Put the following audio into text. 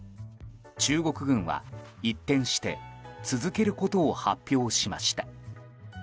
中国軍は一転して続けることを発表しました。